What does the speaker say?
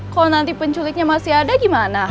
kok nanti penculiknya masih ada gimana